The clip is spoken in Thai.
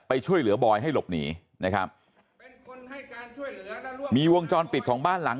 ไปช่วยเหลือบอยให้หลบหนีนะครับมีวงจรปิดของบ้านหลัง